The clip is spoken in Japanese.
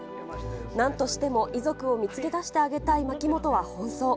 なんとしても遺族を見つけ出してあげたい牧本は奔走。